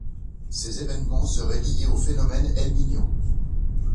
Ces événements seraient liés au phénomène El Niño.